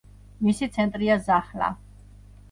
მისი ცენტრია ზაჰლა.